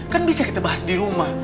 kan bisa kita bahas di rumah